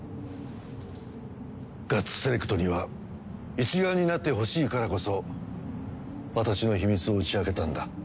ＧＵＴＳ−ＳＥＬＥＣＴには一丸になってほしいからこそ私の秘密を打ち明けたんだ。